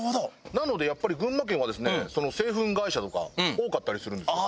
なのでやっぱり群馬県はですね製粉会社とか多かったりするんですよ。